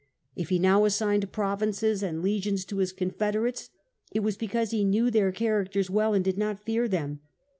If he now assigned provinces and legions to his confederates, it was because he knew their characters well, and did not fear them.